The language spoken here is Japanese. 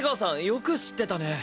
よく知ってたね。